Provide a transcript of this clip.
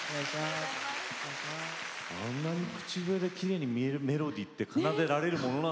あんなに口笛できれいにメロディーって奏でられるものなんですね。